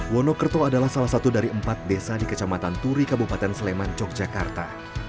wonokerto adalah salah satu dari empat desa di kecamatan turi kabupaten sleman yogyakarta